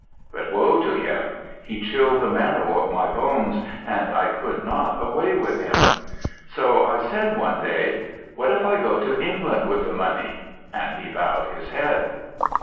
But woe be to him! he chilled the marrow of my bones, and I could not away with him; so I said one day, "What if I go to England with the money?" and he bowed his head.'